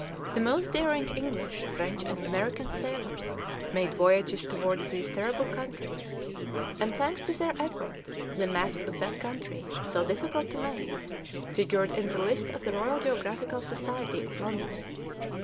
The most daring English, French, and American sailors made voyages towards these terrible countries, and, thanks to their efforts, the maps of that country, so difficult to make, figured in the list of the Royal Geographical Society of London.